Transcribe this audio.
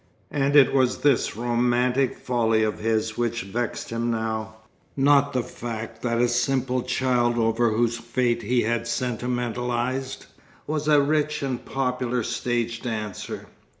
And it was this romantic folly of his which vexed him now; not the fact that a simple child over whose fate he had sentimentalized, was a rich and popular stage dancer.